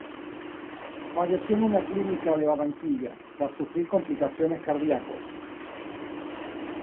Falleció en una clínica de Barranquilla tras sufrir complicaciones cardiacos.